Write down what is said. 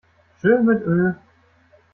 Tschö mit Ö!